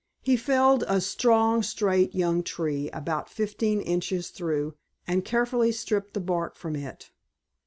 He felled a strong, straight young tree, about fifteen inches through, and carefully stripped the bark from it.